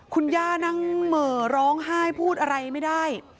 คุณย่านั่งเหม่อร้องไห้พูดอะไรไม่ได้